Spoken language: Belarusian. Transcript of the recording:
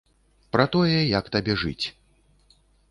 Пра тое, як табе жыць.